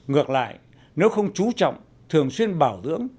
ngược lại nếu không chú trọng thường xuyên bảo dưỡng